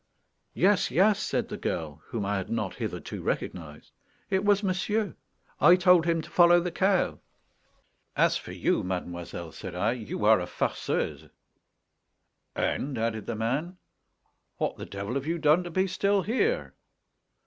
"Yes, yes," said the girl, whom I had not hitherto recognized; "it was monsieur; I told him to follow the cow." "As for you, mademoiselle," said I, "you are a farceuse." "And," added the man, "what the devil have you done to be still here?"